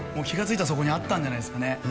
気がついたらそこにあったんじゃないですかね